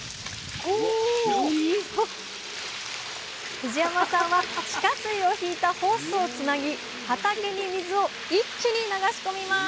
藤山さんは地下水を引いたホースをつなぎ畑に水を一気に流し込みます